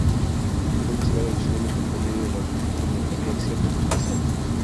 Fue investigado adicionalmente por medio de la tomografía axial computarizada.